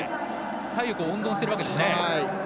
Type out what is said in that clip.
体力を温存してるわけですね。